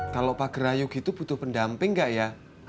kalo pak gerayu gitu butuh pendamping nggak ya